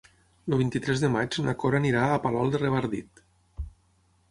El vint-i-tres de maig na Cora anirà a Palol de Revardit.